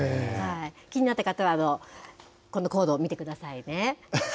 気になった方はこのコードを見てくださいね。